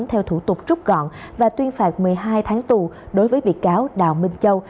theo thủ tục rút gọn và tuyên phạt một mươi hai tháng tù đối với bị cáo đào minh châu